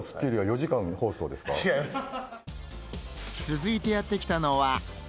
続いてやってきたのは。